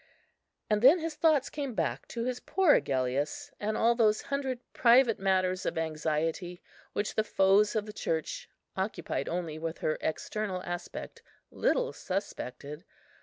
And then his thoughts came back to his poor Agellius, and all those hundred private matters of anxiety which the foes of the Church, occupied only with her external aspect, little suspected.